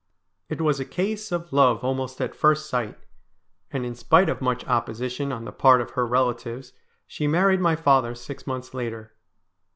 It was a case of love almost at first sight, and in spite of much opposition on the part of her relatives she married my father six months later.